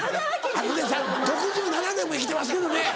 あのね６７年も生きてますけどね